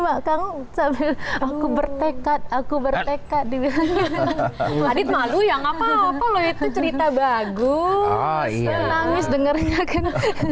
aku bertekad aku bertekad di hadits malu yang apa apa lo itu cerita bagus nangis dengerin